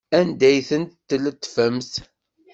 Anda ay ten-tletfemt?